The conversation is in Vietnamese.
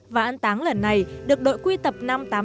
và ăn táng lần này được đội quy tập